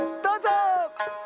どうぞ。